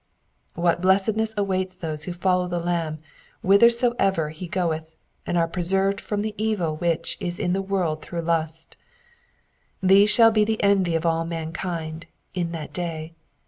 What blessedness awaits those who follow the Lamb whithersoever he foeth, and are preserved from the evil which is in the world through lust, hese shall be the envy of all mankind in that day."